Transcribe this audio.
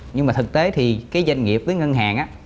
nhưng mà thực tế thì cái doanh nghiệp với ngân hàng á